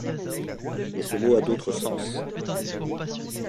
Mais ce mot a d'autres sens.